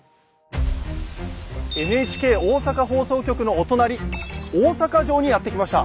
ＮＨＫ大阪放送局のお隣大阪城にやって来ました。